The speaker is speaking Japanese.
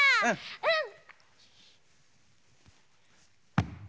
うん！